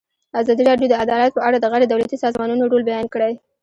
ازادي راډیو د عدالت په اړه د غیر دولتي سازمانونو رول بیان کړی.